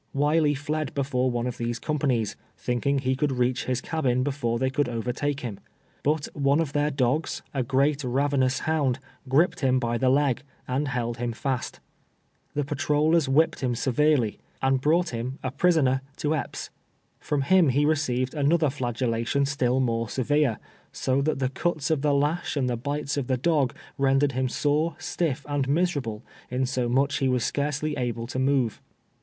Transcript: Wiley fled before one of these companies, thinking he could reach his cabin before they could overtake him ; but one of their dogs, a great ravenous hound, griped him by the leg, and held him fast. The pa trollers whipped him severely, and brought him, a 238 TWELVE YEARS A SLATE. prisoner, to Epps. I''n>iii liim lie received anotlier flai^ellatiou still more severe, so that the cuts of the lash and the bites of the dog rendered him sore, stiff and miserable, insomuch he was scarcely able to move.